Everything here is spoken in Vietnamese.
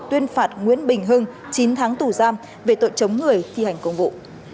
tuyên phạt nguyễn bình hưng chín tháng tù giam về tội chống người thi hành công vụ